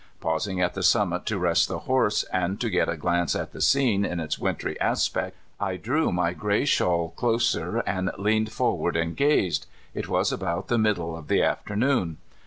Paus ing at the summit to rest the horse, and to get a glance at the scene in its wintry aspect, I drew my gray shawl closer, and leaned forward and gazed. It was about the middle of the afternoon.